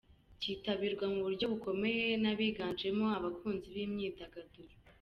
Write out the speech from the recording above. Cyitabirwa mu buryo bukomeye n’abiganjemo abakunzi b’imyidagaduro.